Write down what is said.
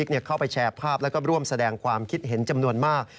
แล้วก็ร่วมแสดงความคิดเห็นจำนวนมาก